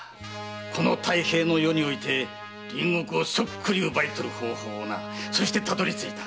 この太平の世において隣国をそっくり奪い取る方法をなそしてたどり着いた。